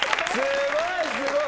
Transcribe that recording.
すごいすごい！